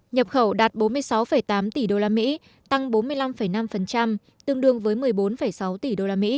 nhập khẩu đạt bốn mươi sáu tám tỷ usd tăng bốn mươi năm năm tương đương với một mươi bốn sáu tỷ usd